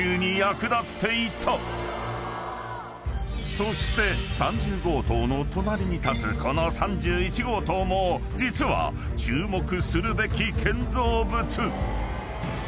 ［そして３０号棟の隣に立つこの３１号棟も実は注目するべき建造物］